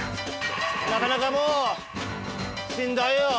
なかなかもうしんどいよ！